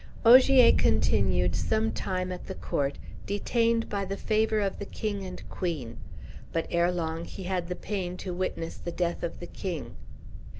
Ogier continued some time at the court, detained by the favor of the king and queen; but erelong he had the pain to witness the death of the king.